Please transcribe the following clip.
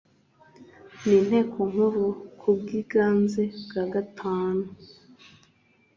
n inteko nkuru ku bwiganze bwa gatanu